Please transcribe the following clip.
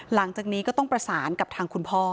หลังจากนี้ก็ต้องประสานกับทางคุณพ่อ